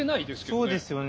そうですよね。